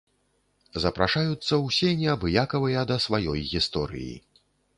Запрашаюцца ўсе неабыякавыя да сваёй гісторыі!